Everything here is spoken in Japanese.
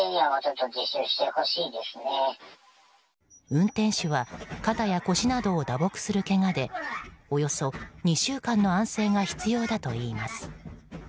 運転手は肩や腰などを打撲するけがでおよそ２週間の安静が必要だといいます。